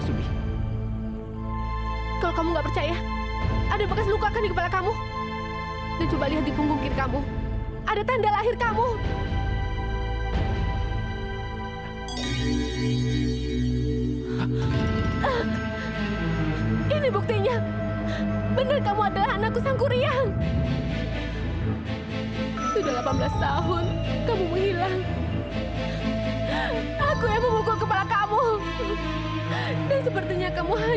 sampai jumpa di video selanjutnya